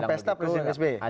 yang pesta presiden sby